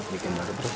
bikin baru terus